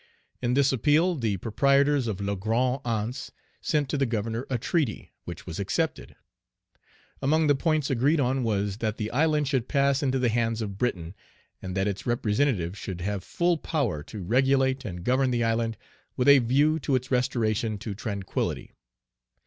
In this appeal, the proprietors of La Grande Anse sent to the governor a treaty, which was accepted. Among the points agreed on was that the island should pass into the hands of Britain, and that its representative should have full power to regulate and govern the island with a view to its restoration to tranquillity.